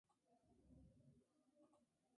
La primera forma es la más conocida.